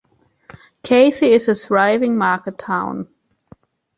Kati is a thriving market town.